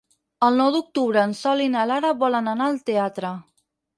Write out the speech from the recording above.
El nou d'octubre en Sol i na Lara volen anar al teatre.